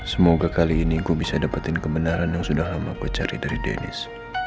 semoga kali ini gue bisa dapetin kebenaran yang sudah lama aku cari dari dennis